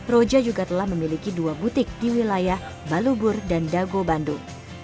roja juga telah memiliki dua butik di wilayah balubur dan dago bandung